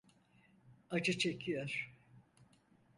Acı çekiyor.